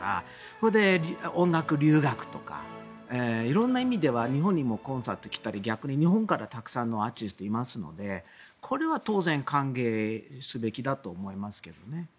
それで音楽留学とか色んな意味では日本にもコンサートに来たり逆に日本からたくさんのアーティストがいますのでこれは当然歓迎すべきだと思いますけどね。